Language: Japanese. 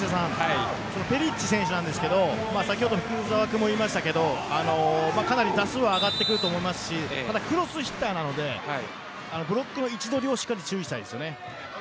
ペリッチ選手なんですがかなり打数は上がってくると思いますしクロスヒッターなのでブロックの位置取りをしっかり注意したいですね。